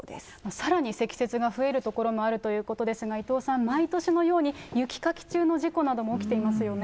さらに積雪が増えることもあるということですが、伊藤さん、毎年のように雪かき中の事故なども起きていますよね。